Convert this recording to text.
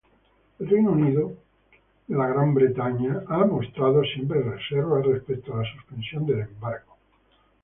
El Reino Unido ha mostrado siempre reservas respecto a la suspensión del embargo.